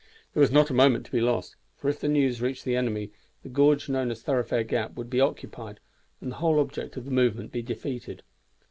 There was not a moment to be lost, for if the news reached the enemy the gorge known as Thoroughfare Gap would be occupied, and the whole object of the movement be defeated.